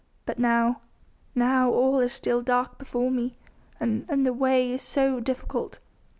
But now ... now all is still dark before me ... and the way is so difficult."